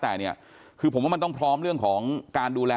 แต่เนี่ยคือผมว่ามันต้องพร้อมเรื่องของการดูแล